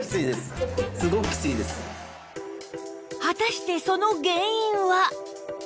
果たしてその原因は？